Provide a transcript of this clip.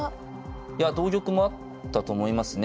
いや同玉もあったと思いますね。